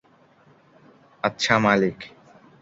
আচ্ছা, মালিক।